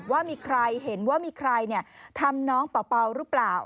ว่ามีใครทำน้องเปาเปาหรือเปล่า